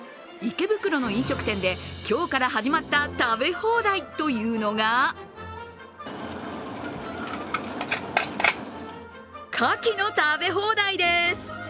池袋の飲食店で今日から始まった食べ放題というのがかきの食べ放題です。